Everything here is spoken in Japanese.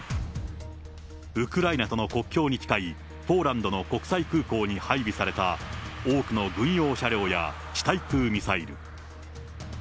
ウクライナとの国境に近いポーランドの国際空港に配備された、多くの軍用車両や地対空ミサイル。